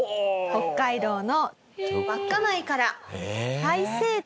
北海道の稚内から最西端。